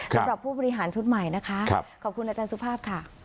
สำหรับผู้บริหารชุดใหม่นะคะขอบคุณอาจารย์สุภาพค่ะ